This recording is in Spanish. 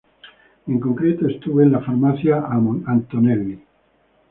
En concreto estuvo en la farmacia Antonelli.